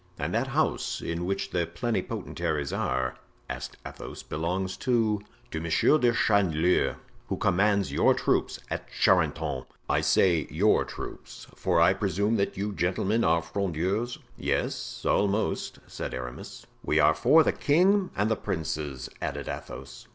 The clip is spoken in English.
"And that house in which the plenipotentiaries are," asked Athos, "belongs to——" "To Monsieur de Chanleu, who commands your troops at Charenton. I say your troops, for I presume that you gentlemen are Frondeurs?" "Yes, almost," said Aramis. "We are for the king and the princes," added Athos.